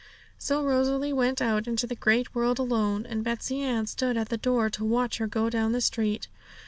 So Rosalie went out into the great world alone, and Betsey Ann stood at the door to watch her go down the street.